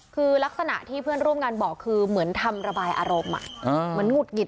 คือลักษณะที่เพื่อนร่วมงานบอกคือเหมือนทำระบายอารมณ์เหมือนหงุดหงิด